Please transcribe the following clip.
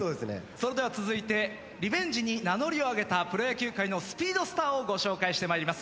それでは続いてリベンジに名乗りを上げたプロ野球界のスピードスターをご紹介して参ります。